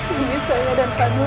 ini saya dan pak nur